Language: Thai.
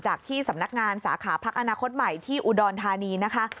ที่สำนักงานสาขาพักอนาคตใหม่ที่อุดรธานีนะคะ